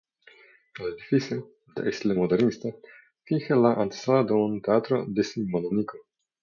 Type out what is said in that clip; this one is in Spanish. El edificio, de estilo modernista, finge la antesala de un teatro decimonónico.